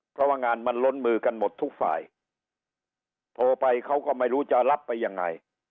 เพราะว่างานมันล้นมือกันหมดทุกฝ่ายโทรไปเขาก็ไม่รู้จะรับไปยังไง